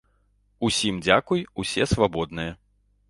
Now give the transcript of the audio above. Усім дзякуй, усе свабодныя.